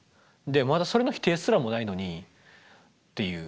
でまだそれの否定すらもないのにっていう。